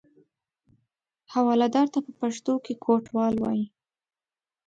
حوالهدار ته په پښتو کې کوټوال وایي.